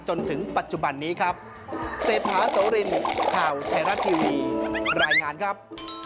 จนถึงปัจจุบันนี้ครับ